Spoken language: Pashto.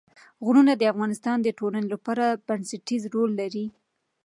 غرونه د افغانستان د ټولنې لپاره بنسټيز رول لري.